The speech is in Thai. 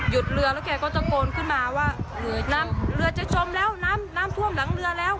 เรือแล้วแกก็ตะโกนขึ้นมาว่าน้ำเรือจะจมแล้วน้ำน้ำท่วมหลังเรือแล้ว